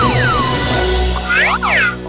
aduh gimana itu